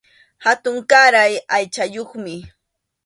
Hatunkaray aychayuqmi.